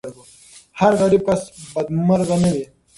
هر غریب کس بدمرغه نه وي.